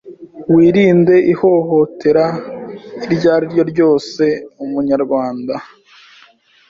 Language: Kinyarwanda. wirinde ihohotere iryo eri ryo ryose Umunyerwende